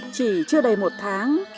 chỉ chưa đầy một tháng